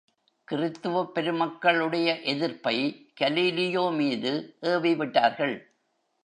கிறித்துவப் பெருமக்களுடைய எதிர்ப்பை கலீலியோ மீது ஏவிவிட்டார்கள்.